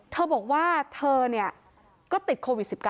เธอบอกว่าเธอก็ติดโควิด๑๙